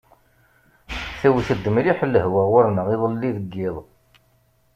Tewt-d mliḥ lehwa ɣur-neɣ iḍelli deg yiḍ.